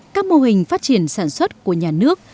các mô hình phát triển sản xuất của nhà nước